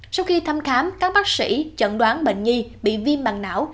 sau khi thăm khám các bác sĩ chận đoán bệnh nhi bị viêm mạng não